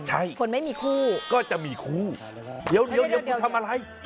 ใช่คนไม่มีคู่ก็จะมีคู่เดี๋ยวเดี๋ยวกูทำอะไร